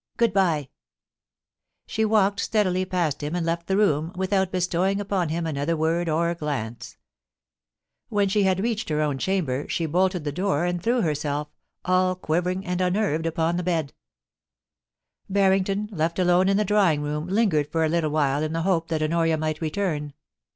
Good bye' She walked steadily past him and left the room, without bestowing upon him another word or gUmce AVhen she had reached hier own chamber she bolted the door and threw herself, all quivering and unnerved, upon the bed Barrington, left alone in the drawing room, lingered for a little while in the hope that Honoria might return.